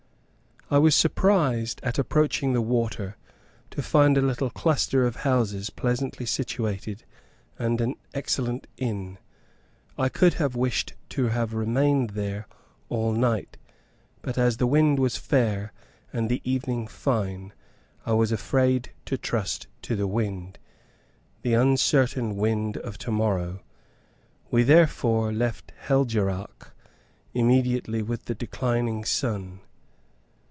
I was surprised, at approaching the water, to find a little cluster of houses pleasantly situated, and an excellent inn. I could have wished to have remained there all night; but as the wind was fair, and the evening fine, I was afraid to trust to the wind the uncertain wind of to morrow. We therefore left Helgeraac immediately with the declining sun.